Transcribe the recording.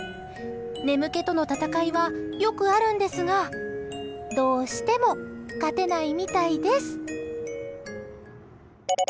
眠気との戦いはよくあるんですがどうしても勝てないみたいです。